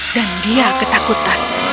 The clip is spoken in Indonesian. dan dia ketakutan